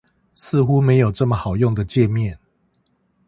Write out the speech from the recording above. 似乎沒有這麼好用的介面